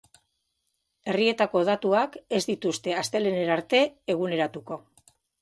Herrietako datuak ez dituzte astelehenera arte eguneratuko.